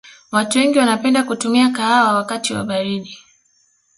watu wengi wanapenda kutumia kahawa wakati wa baridi